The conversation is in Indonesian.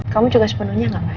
kamu juga sepenuhnya nggak